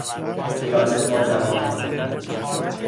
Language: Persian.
پیراسته با جواهر